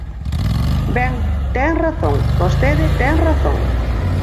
Ben, ten razón, vostede ten razón.